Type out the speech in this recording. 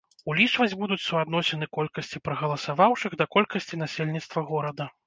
Улічваць будуць суадносіны колькасці прагаласаваўшых да колькасці насельніцтва горада.